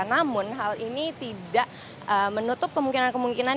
namun hal ini tidak menutup kemungkinan kemungkinan